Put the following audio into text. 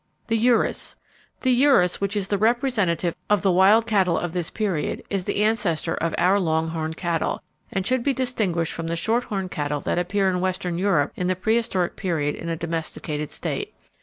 The Urus. The urus, which is the representative of the wild cattle of this period, is the ancestor of our long horned cattle, and should be distinguished from the short horned cattle that appear in western Europe in the prehistoric period in a domesticated state.